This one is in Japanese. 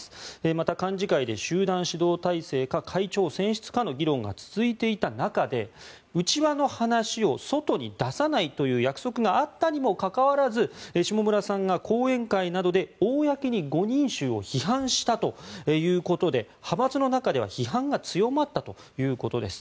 また、幹事会で集団指導体制か会長選出かの議論が続いていた中で内輪の話を外に出さないという約束があったにもかかわらず下村さんが講演会などで公に５人衆を批判したということで派閥の中では批判が強まったということです。